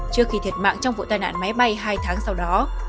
trước khi thiệt mạng trong vụ tai nạn máy bay hai tháng sau đó